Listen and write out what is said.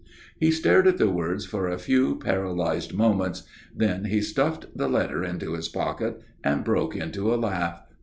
He stared at the words for a few paralyzed moments. Then he stuffed the letter into his pocket and broke into a laugh.